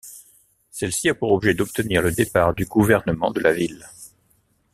Celle-ci a pour objet d'obtenir le départ du gouvernement de la ville.